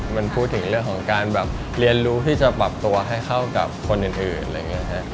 มันพูดถึงเรื่องของการแบบเรียนรู้ที่จะปรับตัวให้เข้ากับคนอื่นอะไรอย่างนี้ฮะ